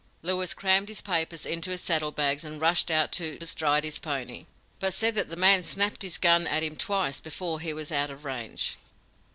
"Lewis crammed his papers into his saddle bags and rushed out to bestride his pony but said that the man snapped his gun at him twice before he was out of range.